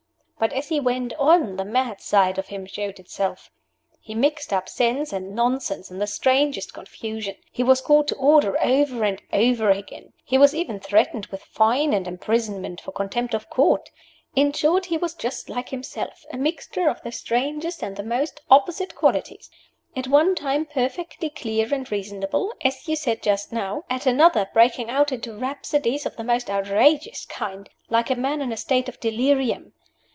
But as he went on the mad side of him showed itself. He mixed up sense and nonsense in the strangest confusion; he was called to order over and over again; he was even threatened with fine and imprisonment for contempt of Court. In short, he was just like himself a mixture of the strangest and the most opposite qualities; at one time perfectly clear and reasonable, as you said just now; at another breaking out into rhapsodies of the most outrageous kind, like a man in a state of delirium.